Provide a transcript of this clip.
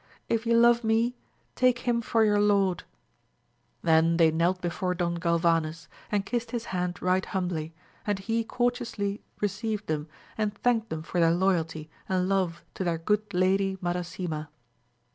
If ye love me, take him for your lord ! Then they knelt before Don Galvanes, and kissed his hand right humbly, and he courteously received them and thanked them for their loyalty and love to their good lady Madasima.